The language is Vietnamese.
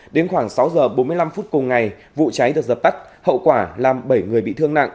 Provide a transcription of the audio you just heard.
đến khoảng sáu giờ bốn mươi năm phút cùng ngày vụ cháy được dập tắt hậu quả làm bảy người bị thương nặng